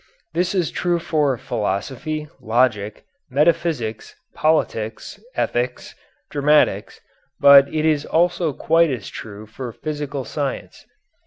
This is true for philosophy, logic, metaphysics, politics, ethics, dramatics, but it is also quite as true for physical science.